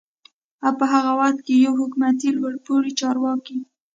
او په هغه وخت کې يوه حکومتي لوړپوړي چارواکي